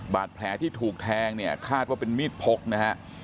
บาดแผลที่ถูกแทงเนี่ยคาดว่าเป็นมีดพกนะฮะ